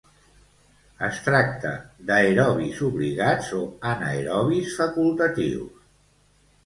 Es tracta d'aerobis obligats o anaerobis facultatius.